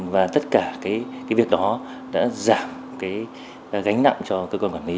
và tất cả việc đó đã giảm gánh nặng cho cơ quan quản lý